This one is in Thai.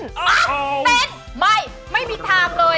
อ๊าาเต้นไม่ไม่มีทางเลย